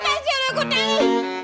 lo pengen jadi kudanya